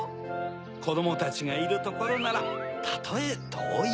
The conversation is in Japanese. こどもたちがいるところならたとえとおい